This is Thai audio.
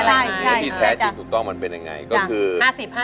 แล้วที่แท้จริงถูกต้องมันเป็นยังไงก็คือ